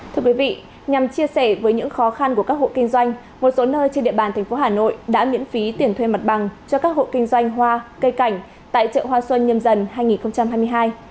thưa quý vị nhằm chia sẻ với những khó khăn của các hộ kinh doanh một số nơi trên địa bàn tp hà nội đã miễn phí tiền thuê mặt bằng cho các hộ kinh doanh hoa cây cảnh tại chợ hoa xuân nhâm dần hai nghìn hai mươi hai